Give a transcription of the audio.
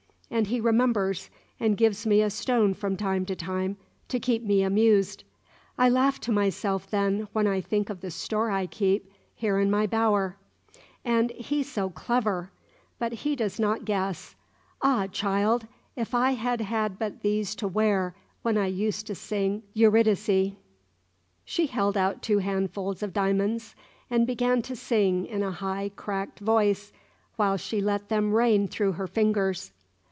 And he remembers and gives me a stone from time to time, to keep me amused. I laugh to myself, then, when I think of the store I keep, here in my bower. And he so clever! But he does not guess. Ah, child, if I had had but these to wear when I used to sing Eurydice!" She held out two handfuls of diamonds, and began to sing in a high, cracked voice, while she let them rain through her fingers.